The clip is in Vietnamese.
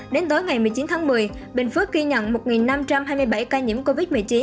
đến tối ngày một mươi chín tháng một mươi bình phước ghi nhận một năm trăm hai mươi bảy ca nhiễm covid một mươi chín